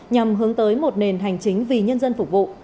nhằm hướng tới một nền hành chính vì nhân dân phục vụ